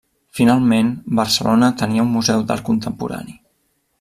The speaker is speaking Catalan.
Finalment, Barcelona tenia un museu d'art contemporani.